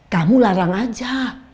kamu larang aja